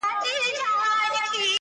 لا په منځ كي به زگېروى كله شپېلكى سو -